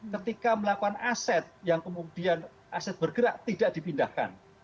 ketika melakukan aset yang kemudian aset bergerak tidak dipindahkan